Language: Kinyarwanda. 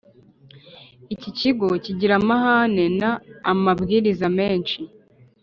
Iki kigo kigira amahame na amabwiriza menshi